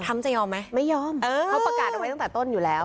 จะยอมไหมไม่ยอมเออเขาประกาศเอาไว้ตั้งแต่ต้นอยู่แล้ว